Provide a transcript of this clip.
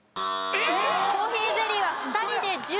コーヒーゼリーは２人で１０位タイです。